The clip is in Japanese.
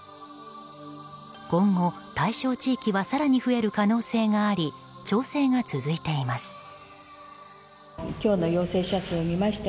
今後、対象地域は更に増える可能性があり調整が続いています。